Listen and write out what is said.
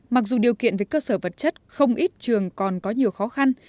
mặc dù điều kiện về cơ sở vật chất không ít trường còn có nhiều khó khăn